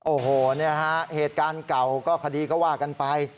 โอ้โหเนี่ยฮะเหตุการณ์เก่าก็คดีก็ว่ากันไป